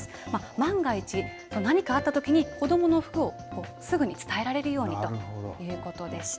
万が一、何かあったときに子どもの服をすぐに伝えられるようにということでした。